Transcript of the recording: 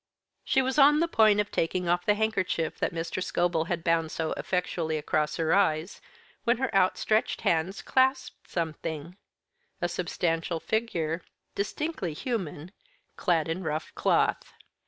She was on the point of taking off the handkerchief that Mr. Scobel had bound so effectually across her eyes, when her outstretched hands clasped something a substantial figure, distinctly human, clad in rough cloth.